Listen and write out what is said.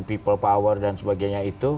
people power dan sebagainya itu